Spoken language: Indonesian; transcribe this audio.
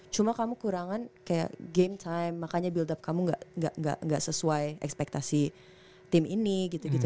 cuma kamu kurangan kayak game time makanya build up kamu gak sesuai ekspektasi tim ini gitu gitu